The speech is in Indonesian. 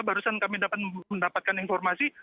barusan kami mendapatkan informasi